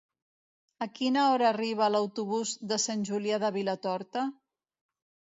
A quina hora arriba l'autobús de Sant Julià de Vilatorta?